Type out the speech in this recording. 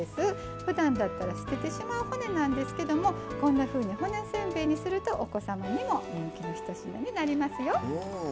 ふだんだったら捨ててしまう骨なんですけどもこんなふうに骨せんべいにするとお子様にも人気のひと品になりますよ。